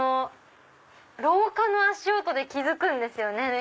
廊下の足音で気付くんですよね